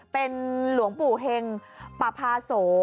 เป็นหลวงปู่เฮงปภาโส